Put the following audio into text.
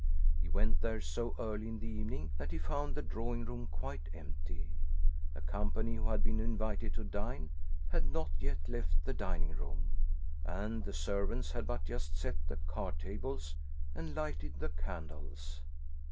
He went there so early in the evening, that he found the drawing room quite empty; the company, who had been invited to dine, had not yet left the dining room, and the servants had but just set the card tables and lighted the candles.